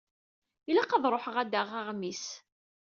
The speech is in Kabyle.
Ilaq ad ruḥeɣ ad d-aɣeɣ aɣmis.